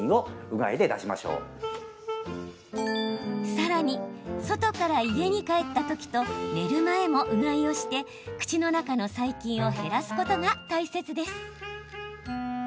さらに外から家に帰ったときと寝る前も、うがいをして口の中の細菌を減らすことが大切です。